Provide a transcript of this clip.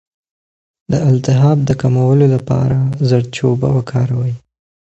د التهاب د کمولو لپاره زردچوبه وکاروئ